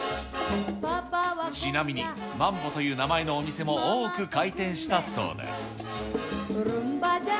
ちなみに、マンボという名前のお店も多く開店したそうです。